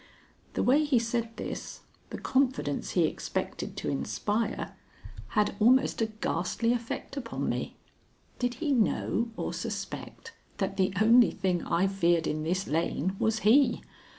The way he said this, the confidence he expected to inspire, had almost a ghastly effect upon me. Did he know or suspect that the only thing I feared in this lane was he?